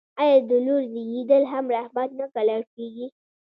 آیا د لور زیږیدل هم رحمت نه ګڼل کیږي؟